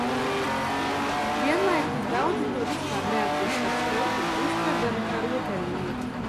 Vienlaikus daudzi to vispār neatzīst par sportu, uztverdami kā rotaļlietu.